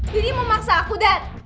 daddy mau maksa aku dad